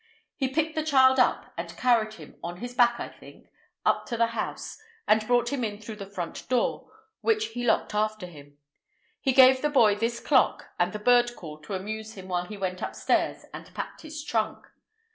He picked the child up and carried him—on his back, I think—up to the house, and brought him in through the front door, which he locked after him. He gave the boy this clock and the bird call to amuse him while he went upstairs and packed his trunk.